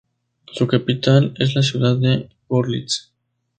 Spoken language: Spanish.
Su capital es la ciudad de Görlitz.